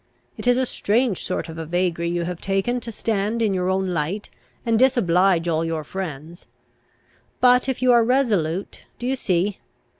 It is a strange sort of a vagary you have taken, to stand in your own light, and disoblige all your friends. But if you are resolute, do you see?